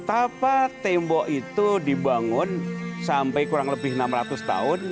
tapa tembok itu dibangun sampai kurang lebih enam ratus tahun